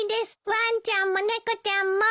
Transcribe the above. ワンちゃんもネコちゃんも。